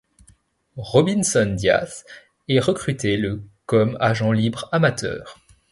Robinzon Díaz est recruté le comme agent libre amateur.